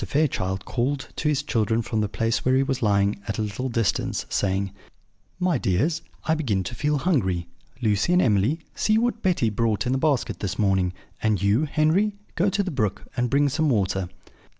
Fairchild called to his children from the place where he was lying, at a little distance, saying: "My dears, I begin to feel hungry. Lucy and Emily, see what Betty brought in the basket this morning; and you, Henry, go to the brook, and bring some water."